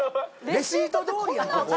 レシート通りやんここ。